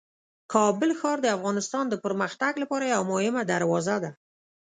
کابل ښار د افغانستان د پرمختګ لپاره یوه مهمه دروازه ده.